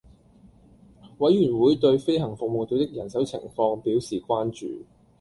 委員會對飛行服務隊的人手情況表示關注